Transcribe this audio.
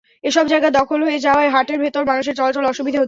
এসব জায়গা দখল হয়ে যাওয়ায় হাটের ভেতর মানুষের চলাচলে অসুবিধা হচ্ছে।